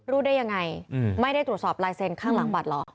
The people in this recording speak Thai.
ได้ยังไงไม่ได้ตรวจสอบลายเซ็นต์ข้างหลังบัตรหรอก